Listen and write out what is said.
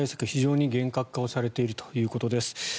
非常に厳格化されているということです。